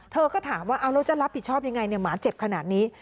เธอก็ถามว่าเอาแล้วจะรับผิดชอบยังไงหมาเจ็บขนาดนี้